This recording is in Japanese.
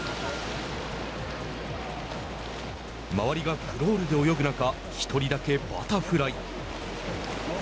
周りがクロールで泳ぐ中１人だけバタフライ。